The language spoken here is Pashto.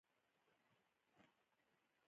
هغه ډېرې خبرې وکړې.